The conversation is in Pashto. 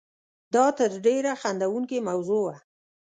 دا تر ډېره خندوونکې موضوع وه.